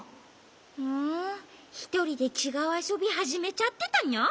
ふんひとりでちがうあそびはじめちゃってたの？